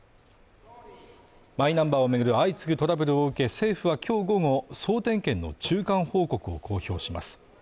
マイナンバーを巡る相次ぐトラブルを受け政府はきょう午後、総点検の中間報告を公表します